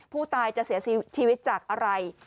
ผู้ตายจะเสียชีวิตจากอะไร